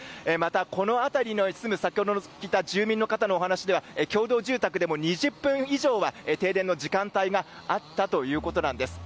この辺りに住む住民の方のお話では共同住宅でも２０分以上は停電の時間帯があったということなんです。